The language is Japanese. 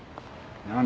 何？